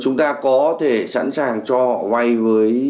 chúng ta có thể sẵn sàng cho họ hoài